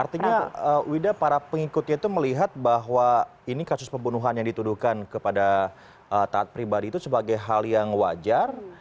artinya wida para pengikutnya itu melihat bahwa ini kasus pembunuhan yang dituduhkan kepada taat pribadi itu sebagai hal yang wajar